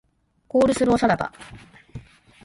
コールスローサラダ